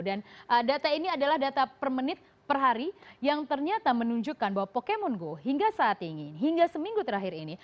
dan data ini adalah data per menit per hari yang ternyata menunjukkan bahwa pokemon go hingga saat ingin hingga seminggu terakhir ini